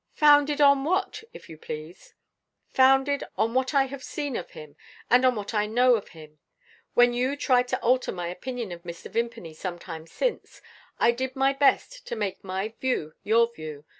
"Founded on what, if you please?" "Founded on what I have seen of him, and on what I know of him. When you tried to alter my opinion of Mr. Vimpany some time since, I did my best to make my view your view.